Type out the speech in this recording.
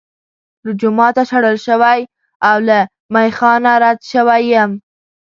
له جوماته شړل شوی او له میخا نه رد شوی یم.